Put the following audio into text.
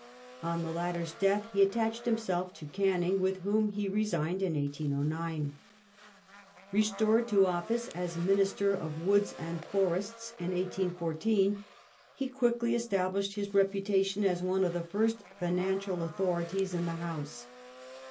On the hitter's death he attached himself to Canning, with whom he resigned in 1809. Restored to office as Minister of Woods and Forests in 1814, he quickly established his reputation as one of the fii*st financial authorities in the House.